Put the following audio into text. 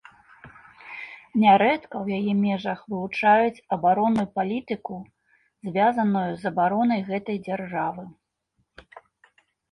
Нярэдка ў яе межах вылучаюць абаронную палітыку, звязаную з абаронай гэтай дзяржавы.